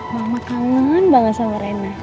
mama kangen banget sama rena